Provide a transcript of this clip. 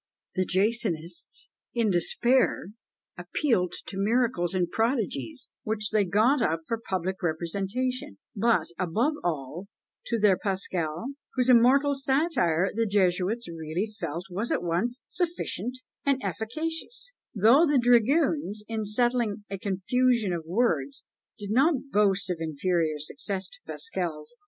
The Jansenists, in despair, appealed to miracles and prodigies, which they got up for public representation; but, above all, to their Pascal, whose immortal satire the Jesuits really felt was at once "sufficient and efficacious," though the dragoons, in settling a "confusion of words," did not boast of inferior success to Pascal's.